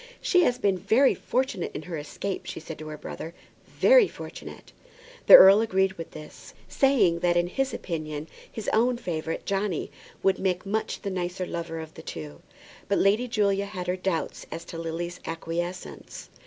"She has been very fortunate in her escape," she said to her brother; "very fortunate." The earl agreed with this, saying that in his opinion his own favourite Johnny would make much the nicer lover of the two. But Lady Julia had her doubts as to Lily's acquiescence.